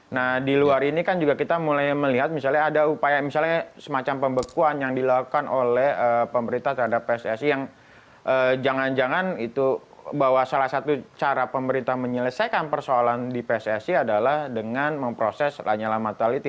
nah di luar ini kan juga kita mulai melihat misalnya ada upaya misalnya semacam pembekuan yang dilakukan oleh pemerintah terhadap pssi yang jangan jangan itu bahwa salah satu cara pemerintah menyelesaikan persoalan di pssi adalah dengan memproses lanyala mataliti